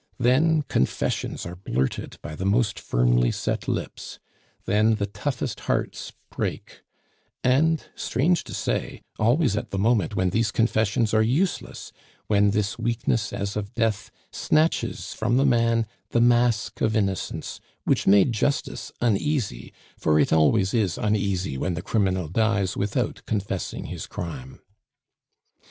Then confessions are blurted by the most firmly set lips; then the toughest hearts break; and, strange to say, always at the moment when these confessions are useless, when this weakness as of death snatches from the man the mask of innocence which made Justice uneasy for it always is uneasy when the criminal dies without confessing his crime.